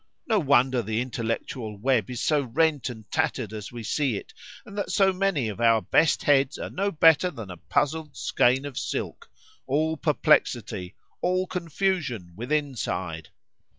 —No wonder the intellectual web is so rent and tattered as we see it; and that so many of our best heads are no better than a puzzled skein of silk,——all perplexity,——all confusion within side.